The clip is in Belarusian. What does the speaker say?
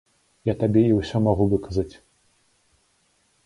Я табе і ўсё магу выказаць.